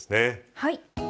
はい。